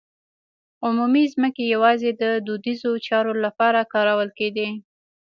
عمومي ځمکې یوازې د دودیزو چارو لپاره کارول کېدې.